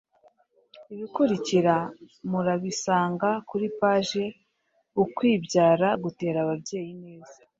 Ibikurikira murabisanga kuri paji Ukwibyara gutera ababyeyi ineza